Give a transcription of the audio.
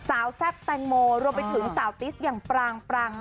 สาวแซ่บแตงโมรวมไปถึงสาวติ๊สอย่างปรางพิศ